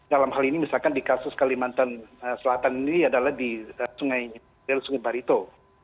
dalam hal ini misalkan di kasus kalimantan selatan ini adalah di sungai barito